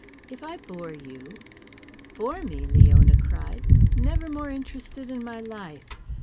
If I bore you " "Bore me!" Leona cried. "Never more interested in my life.